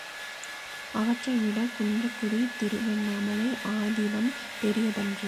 அவற்றைவிடக் குன்றக்குடித் திருவண்ணாமலை ஆதீனம் பெரியதன்று.